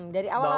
dari awal apa